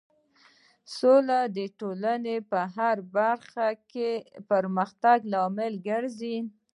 سوله د ټولنې په هر برخه کې د پرمختګ لامل ګرځي.